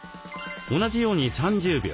同じように３０秒。